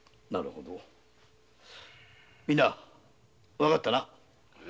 みんな分かったな。